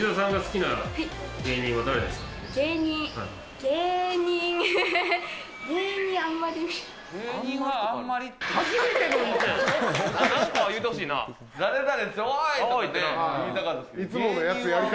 なんかは言うてほしいな。